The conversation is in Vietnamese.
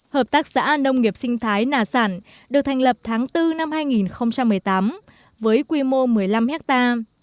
hợp tác xã nông nghiệp sinh thái nà sản được thành lập tháng bốn năm hai nghìn một mươi tám với quy mô một mươi năm hectare